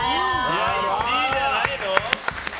１位じゃないの？